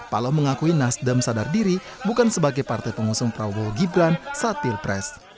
paloh mengakui nasdem sadar diri bukan sebagai partai pengusung prabowo gibran saat pilpres